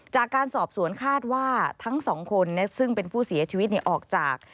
จากการสอบสวนคาดว่าทั้งสองคนซึ่งเป็นผู้เสียชีวิตออกจาก